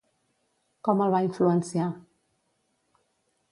Com el va influenciar?